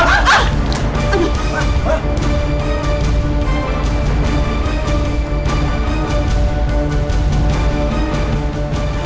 kurang ajar kamu maik